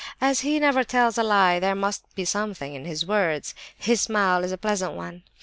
As he never tells a lie, there must be something in his words. His smile is a pleasant one.